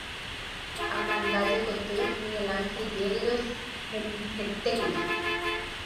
Amandajekoty “Miguel Angel Yegros” henyhẽtékuri.